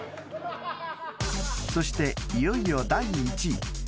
［そしていよいよ第１位］